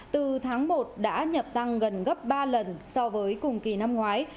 từ tháng một đã nhập tăng gần gấp ba lần so với cùng kỳ năm ngoái